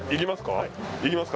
行きますか？